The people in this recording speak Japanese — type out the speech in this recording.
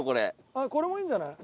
あっこれもいいんじゃない？